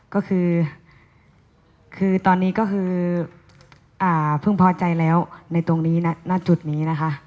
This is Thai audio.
ก็คือคือตอนนี้ก็คือเพิ่งพอใจแล้วในตรงนี้ณจุดนี้นะคะ